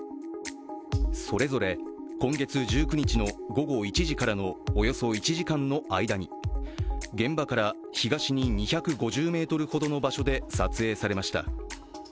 それぞれ今月１９日の午後１時からのおよそ１時間の間に現場から東に２５０ｍほどの場所で撮影されました。